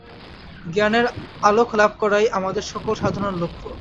জ্ঞানের আলোক লাভ করাই আমাদের সকল সাধনার লক্ষ্য।